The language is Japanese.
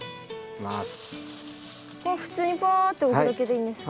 これは普通にパーッて置くだけでいいんですか？